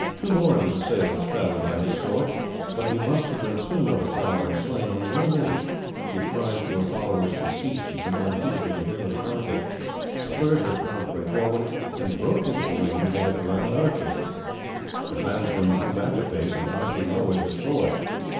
Two more of his assailants fell by his sword; but he must have been soon overpowered and slain, when the young lady, whose cries to her followers to cease had been unheeded in the din of the conflict, spurred her palfrey forward and broke into the ring gathered round Archie. The clansmen drew back a pace, and Archie lowered his sword.